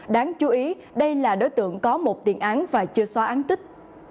đáng chú ý đây là đối tượng có một tiền án và chưa xóa án tích